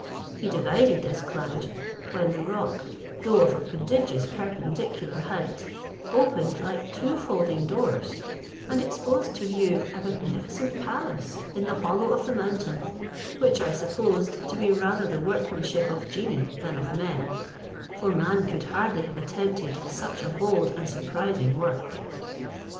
He divided this cloud, when the rock, though of a prodigious perpendicular height, opened like two folding doors, and exposed to view a magnificent palace in the hollow of the mountain, which I supposed to be rather the workmanship of genii than of men; for man could hardly have attempted such a bold and surprising work.